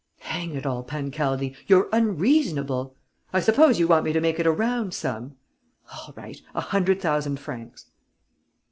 Hang it all, Pancaldi, you're unreasonable!... I suppose you want me to make it a round sum? All right: a hundred thousand francs."